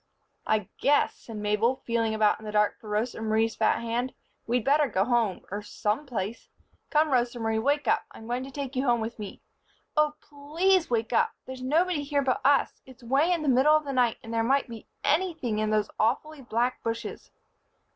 "I guess," said Mabel, feeling about in the dark for Rosa Marie's fat hand, "we'd better go home or some place. Come, Rosa Marie, wake up. I'm going to take you home with me. Oh, please wake up. There's nobody here but us. It's way in the middle of the night and there might be _any_thing in those awfully black bushes."